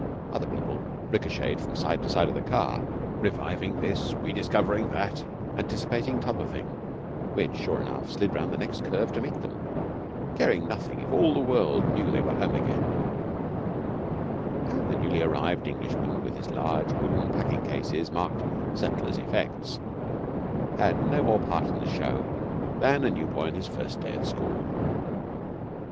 Other people ricochetted from side to side of the car, reviving this, rediscovering that, anticipating t'other thing, which, sure enough, slid round the next curve to meet them, caring nothing if all the world knew they were home again; and the newly arrived Englishman with his large wooden packing cases marked 'Settlers' Effects' had no more part in the show than a new boy his first day at school.